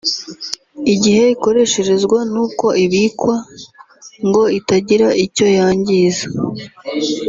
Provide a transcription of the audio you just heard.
igihe ikoresherezwa n’uko ibikwa ngo itagira icyo yangiza